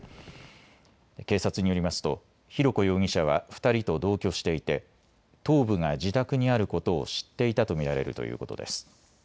警察によりますと浩子容疑者は２人と同居していて頭部が自宅にあることを知っていたと見られるということです。